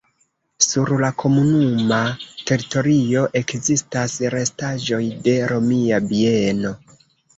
Sur la komunuma teritorio ekzistas restaĵoj de romia bieno.